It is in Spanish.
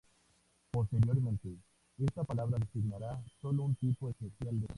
Posteriormente, esta palabra designará sólo a un tipo especial de estas armas.